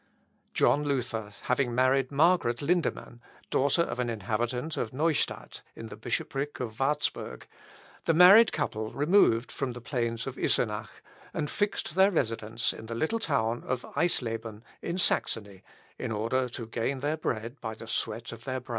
John Luther having married Margaret Lindemann, daughter of an inhabitant of Neustadt, in the bishopric of Warzburg, the married couple removed from the plains of Isenach, and fixed their residence in the little town of Eisleben, in Saxony, in order to gain their bread by the sweat of their brow.